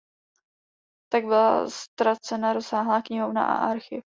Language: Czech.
Tak byla ztracena rozsáhlá knihovna a archiv.